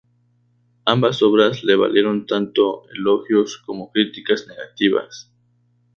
Ambas obras le valieron tanto elogios como críticas negativas.